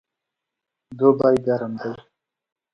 دوبی ګرم دی